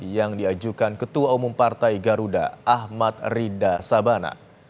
yang diajukan ketua umum partai garuda ahmad rida sabana